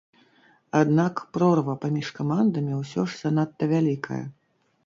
Аднак прорва паміж камандамі ўсё ж занадта вялікая.